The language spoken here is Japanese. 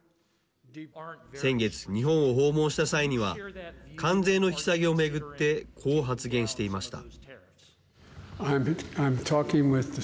先月、日本を訪問した際には関税の引き下げを巡ってこう発言していました。